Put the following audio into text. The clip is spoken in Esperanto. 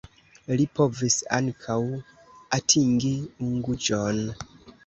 Li povis ankaŭ atingi Unguĵon.